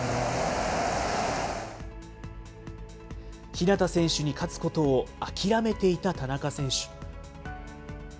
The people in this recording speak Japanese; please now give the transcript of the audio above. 日向選手に勝つことを諦めていた田中選手。